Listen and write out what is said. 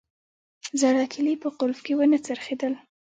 زړه کیلي په قلف کې ونه څرخیدل